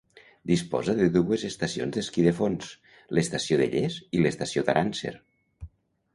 Disposa de dues estacions d'esquí de fons: l'Estació de Lles i l'Estació d'Arànser.